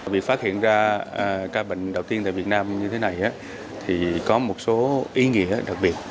vì phát hiện ra ca bệnh đầu tiên tại việt nam như thế này thì có một số ý nghĩa đặc biệt